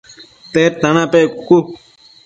tedta nepec?cucu